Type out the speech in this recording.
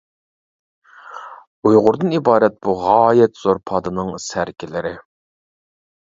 ئۇيغۇردىن ئىبارەت بۇ غايەت زور پادىنىڭ سەركىلىرى.